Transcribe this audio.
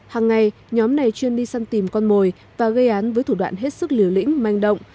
hàng ngày nhóm này chuyên đi săn tìm con mồi và gây án với thủ đoạn hết sức liều lĩnh manh động